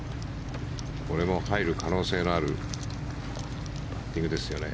これも入る可能性のあるパッティングですよね。